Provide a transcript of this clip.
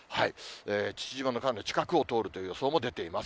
父島のかなり近くを通るという予想も出ています。